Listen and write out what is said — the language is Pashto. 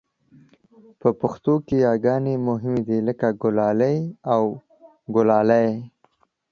په پښتو کې یاګانې مهمې دي لکه ګلالی او ګلالۍ